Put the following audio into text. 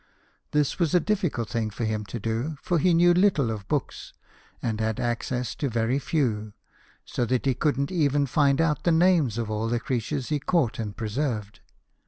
This was a diffcult thing for him to do, for he knew little of books, and had access to very few, so that he couldn't even find out the names of all the crea tures he caught and preserved.